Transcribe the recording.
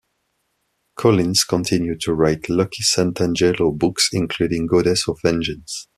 Collins continued to write Lucky Santangelo books, including "Goddess of Vengeance".